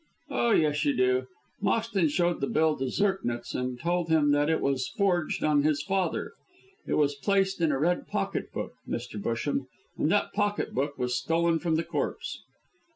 "Oh, yes, you do. Moxton showed the bill to Zirknitz and told him that it was forged on his father. It was placed in a red pocket book, Mr. Busham, and that pocket book was stolen from the corpse."